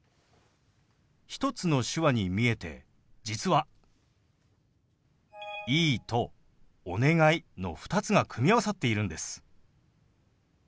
１つの手話に見えて実は「いい」と「お願い」の２つが組み合わさっているんです。